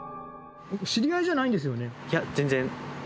知り合いじゃないんですよね？